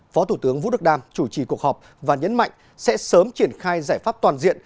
phó thủ tướng vũ đức đam chủ trì cuộc họp và nhấn mạnh sẽ sớm triển khai giải pháp toàn diện